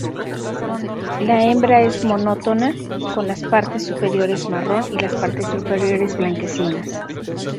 La hembra es monótona, con las partes superiores marrón y las partes inferiores blanquecinas.